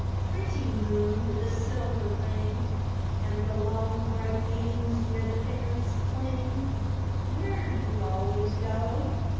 Pretty moon with the silver ring And the long bright beams where the fairies cling, Where do you always go?